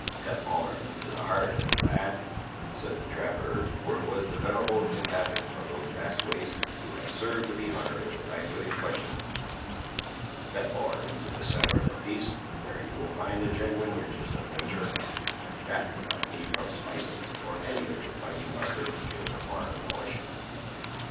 "Cut more into the heart of it, lad," said the trapper, for it was the venerable inhabitant of those vast wastes, who had served the bee hunter with the banquet in question; "cut more into the centre of the piece; there you will find the genuine riches of natur'; and that without need from spices, or any of your biting mustard to give it a foreign relish."